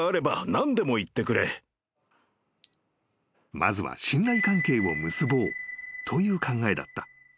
［まずは信頼関係を結ぼうという考えだった］